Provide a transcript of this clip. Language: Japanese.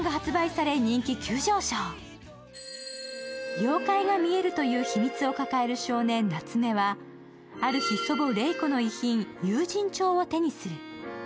妖怪が見えるという秘密を抱える夏目は、ある日、祖母・レイコの遺品、友人帳を手にする。